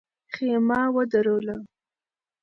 خېمه ودروله.